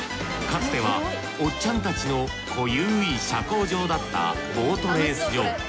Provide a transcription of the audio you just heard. かつてはおっちゃんたちの濃ゆい社交場だったボートレース場。